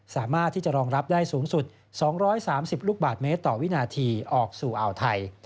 สามารถที่จะรองรับได้สูงสุด๒๓๐ลูกบาทเมตรต่อวินาทีออกสู่อ่าวไทย